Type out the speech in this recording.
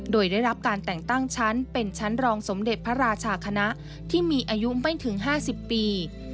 โดยได้รับการแต่งตั้งชั้นเป็นชั้นรองสมเด็จพระราชาคณะที่มีอายุไม่ถึง๕๐ปี